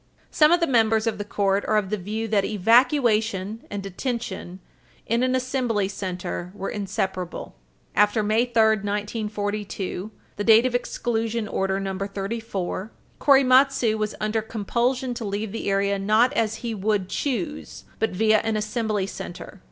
Some of the members of the Court are of the view that evacuation and detention in an Assembly Center were inseparable. After May 3, 1942, the date of Exclusion Page 323 U. S. 223 Order No. 34, Korematsu was under compulsion to leave the area not as he would choose, but via an Assembly Center.